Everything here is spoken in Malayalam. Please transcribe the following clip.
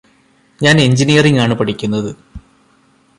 ഞാന് എഞ്ചിനീയറിംഗ് ആണ് പഠിക്കുന്നത്